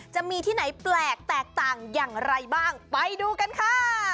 จะมีที่ไหนแปลกแตกต่างอย่างไรบ้างไปดูกันค่ะ